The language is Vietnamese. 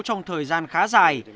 trong thời gian khá dài